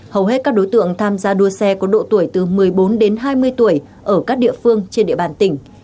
hầu hết các đối tượng tham gia đua xe có độ tuổi từ một mươi bốn đến hai mươi tuổi ở các địa phương trên địa bàn tỉnh